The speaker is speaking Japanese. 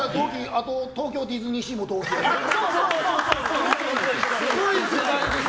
東京ディズニーシーも同期です。